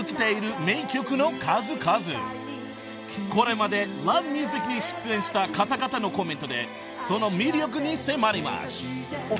［これまで『Ｌｏｖｅｍｕｓｉｃ』に出演した方々のコメントでその魅力に迫ります］